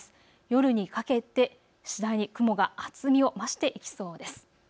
夜にかけて次第に雲が厚みを増していきそうです。